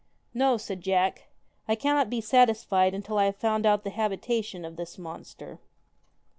* No,' said Jack, ' I cannot be satisfied until I have found out the habitation of this monster.'